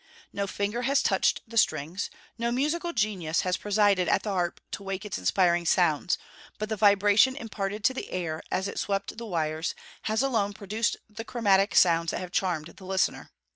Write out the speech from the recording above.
No finger has touched the strings; no musical genius has presided at the harp to wake its inspiring sounds; but the vibration imparted to the air, as it swept the wires, has alone produced the chromatic sounds that have charmed the listener.